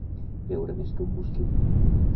Beure més que un mosquit.